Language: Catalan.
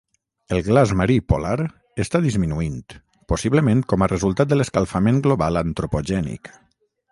El glaç marí polar està disminuint, possiblement com a resultat de l'escalfament global antropogènic.